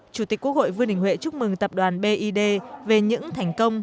chủ tịch quốc hội vương đình huệ chúc mừng tập đoàn bid về những thành công